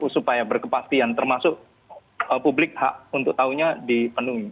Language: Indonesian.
supaya berkepastian termasuk publik hak untuk tahunya dipenuhi